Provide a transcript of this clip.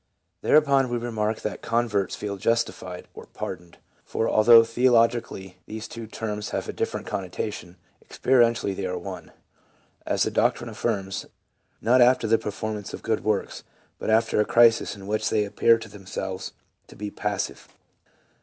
Thereupon we remark that converts feel justified or par doned — for, although theologically these two terms have a different connotation, experientially they are one, — as the doc trine affirms, not after the performance of good works, but after a crisis in which they appear to themselves to be pas sive.